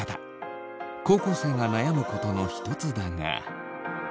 高校生が悩むことの一つだが。